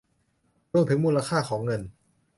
รวมถึงมูลค่าของเงิน